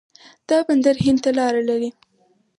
دا بندر هند ته لاره لري.